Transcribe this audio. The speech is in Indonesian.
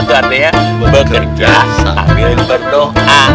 berarti ya bekerja sambil berdoa